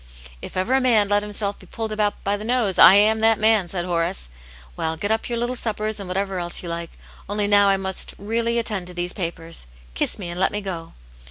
" If ever a man let himself be pulled about by the nose, I am that man," said Horace. "Well, get up your little suppers, and whatever else you like. Only now I really must attend to these papers. Kiss me, and let me go."